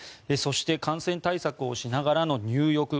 そして感染対策をしながらの入浴